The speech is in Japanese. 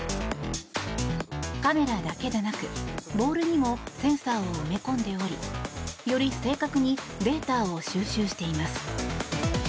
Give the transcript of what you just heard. カメラだけでなく、ボールにもセンサーを埋め込んでおりより正確にデータを収集しています。